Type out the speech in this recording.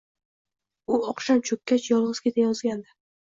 U oqshom cho‘kkach yolg‘iz kezayotgandi.